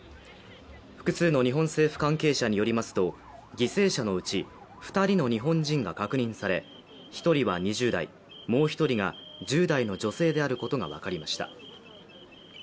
複数の日本政府関係者によりますと、犠牲者のうち、２人の日本人が確認され１人は２０代もう１人が１０代の女性であることが分かりました。